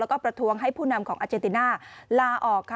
แล้วก็ประท้วงให้ผู้นำของอาเจติน่าลาออกค่ะ